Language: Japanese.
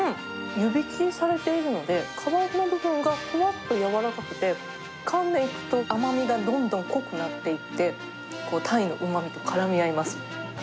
湯引きされているので、皮の部分がふわっとやわらかくて、かんでいくと、甘みがどんどん濃くなっていって、タイのうまみとからみ合います。